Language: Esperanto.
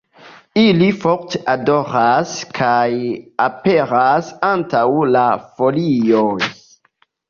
Ili forte odoras kaj aperas antaŭ la folioj.